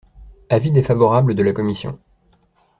Avis défavorable de la commission.